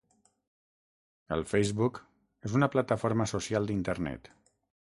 El Facebook és una plataforma social d'internet.